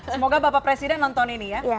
semoga bapak presiden nonton ini ya